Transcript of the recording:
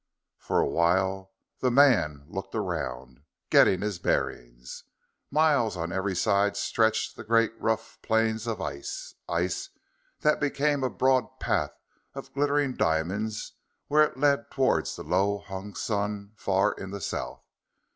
For a while the man looked around, getting his bearings. Miles on every side stretched the great rough plains of ice ice that became a broad path of glittering diamonds where it led toward the low hung sun, far in the south.